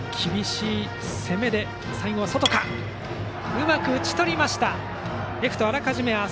うまく打ち取りました。